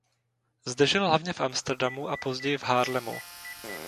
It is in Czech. Zde žil hlavně v Amsterdamu a později v Haarlemu.